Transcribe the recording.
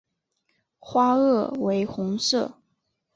花萼为红色。